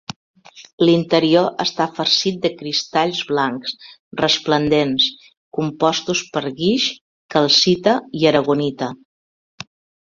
L'interior està farcit de cristalls blancs resplendents compostos per guix, calcita i aragonita.